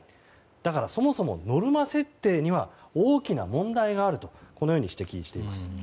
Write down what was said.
だから、そもそもノルマ設定には大きな問題があるとこのように指摘しています。